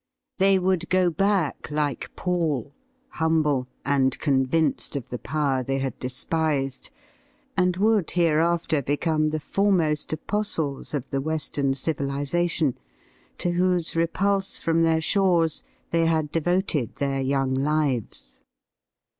They would go back like Paul, humble and con vinced of the power they had despised, and would hereafter become the foremost apostles of the Western civilization, to whose repulse from their shores they had devoted their young lives.